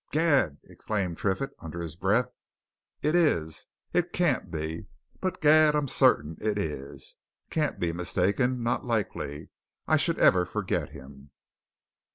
"Gad!" exclaimed Triffitt under his breath. "It is! It can't be! Gad, but I'm certain it is! Can't be mistaken not likely I should ever forget him!"